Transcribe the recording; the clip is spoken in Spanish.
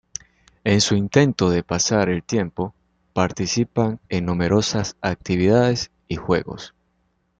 En su intento de pasar el tiempo, participan en numerosas actividades y juegos.